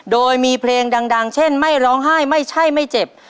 โดยมีเพลงดังเช่นไม่ร้องไห้ไม่ใช่ไม่เจ็บ